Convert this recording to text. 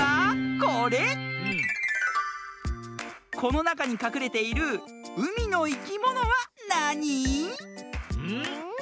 このなかにかくれている「うみのいきもの」はなに？